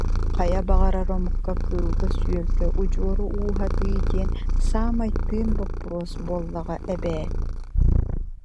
Хайа баҕарар омукка, кыылга-сүөлгэ удьуору ууһатыы диэн саамай тыын боппуруос буоллаҕа эбээт